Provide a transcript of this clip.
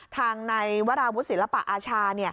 ทางในวราวุศิลปะอาชา